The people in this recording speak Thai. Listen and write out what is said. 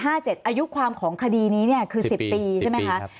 อายุความของคดีนี้คือ๑๐ปีใช่ไหมคะ